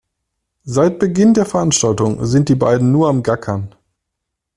Seit Beginn der Veranstaltung sind die beiden nur am Gackern.